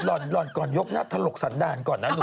หล่อนก่อนยกหน้าถลกสันดาลก่อนนะหรอ